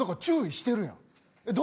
だから注意してるやん。